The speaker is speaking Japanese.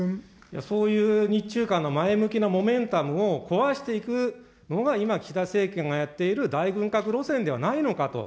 そういう日中間の前向きなモメンタムを壊していくのが、今、岸田政権がやっている大軍拡路線ではないかと。